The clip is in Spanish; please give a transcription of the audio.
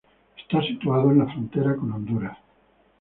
Está situado en la frontera con Honduras.